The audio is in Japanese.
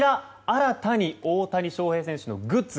新たに大谷翔平選手のグッズ